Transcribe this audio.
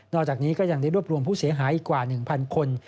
อกจากนี้ก็ยังได้รวบรวมผู้เสียหายอีกกว่า๑๐๐คน